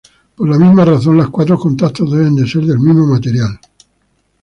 Por la misma razón, los cuatro contactos deben ser del mismo material.